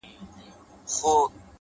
هغه نن بيا د واويلا خاوند دی.